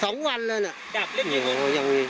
สองวันเลยหลังยาวใช่เลยนะ